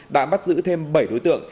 đã bắt giữ thêm bảy đối tượng